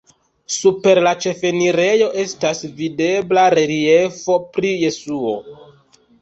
Super la ĉefenirejo estas videbla reliefo pri Jesuo.